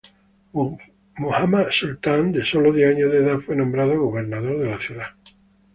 Muhammad Sultan, de solo diez años de edad, fue nombrado gobernador de la ciudad.